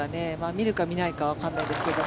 見るか見ないかはわからないですけど。